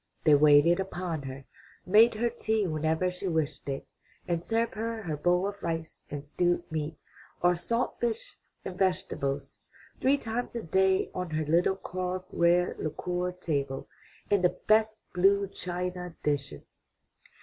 They waited upon her, made her tea whenever she wished it, and served her her bowl of rice and stewed meat, or salt fish and vegetables, three times a day on her little carved red lacquer table in the best blue china dishes.